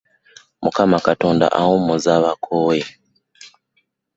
Mukama Katonada awumuzza abakooye .